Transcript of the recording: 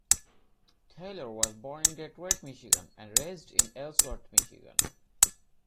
Taylor was born in Detroit, Michigan, and raised in Ellsworth, Michigan.